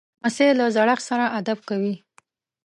لمسی له زړښت سره ادب کوي.